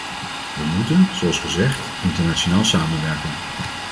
We moeten, zoals gezegd, internationaal samenwerken.